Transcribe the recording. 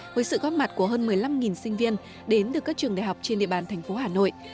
với sự góp mặt của hơn một mươi năm sinh viên đến từ các trường đại học trên địa bàn thành phố hà nội